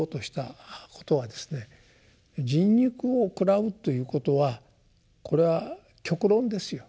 人肉を食らうということはこれは極論ですよ。